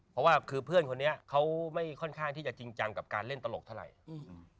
เพราะว่าคือเพื่อนคนนี้เขาไม่ค่อนข้างที่จะจริงจังกับการเล่นตลกเท่าไหร่อืม